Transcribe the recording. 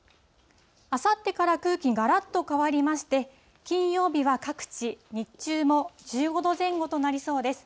あさってから空気、がらっと変わりまして、金曜日は各地、日中も１５度前後となりそうです。